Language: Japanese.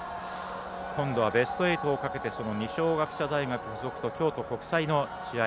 今度はベスト８をかけて二松学舎大学付属と京都国際の試合。